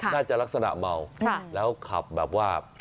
น่าจะลักษณะเมาแล้วขับแบบว่า